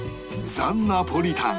ザ・ナポリタン